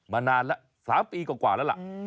นานแล้ว๓ปีกว่าแล้วล่ะ